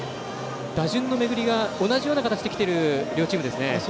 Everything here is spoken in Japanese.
打順の巡りが同じような形できている両チームですね。